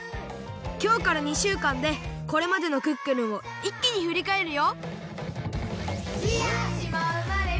きょうから２しゅうかんでこれまでの「クックルン」をいっきにふりかえるよ！